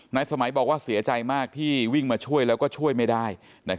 สมัยบอกว่าเสียใจมากที่วิ่งมาช่วยแล้วก็ช่วยไม่ได้